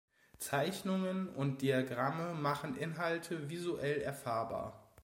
Zeichnungen und Diagramme machen Inhalte visuell erfahrbar.